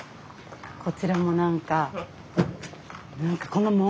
こちらも何か。